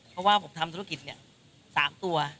เพราะว่าผมทำธุรกิจ๓ตัว